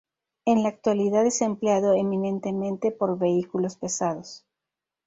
En la actualidad es empleado eminentemente por vehículos pesados.